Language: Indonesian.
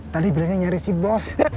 tadi bilangnya nyari si bos